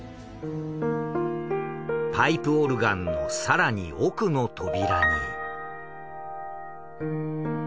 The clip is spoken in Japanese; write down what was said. パイプオルガンの更に奥の扉に。